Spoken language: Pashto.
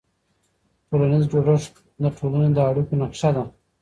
ټولنیز جوړښت د ټولنې د اړیکو نقشه ده.